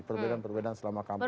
perbedaan perbedaan selama kampenya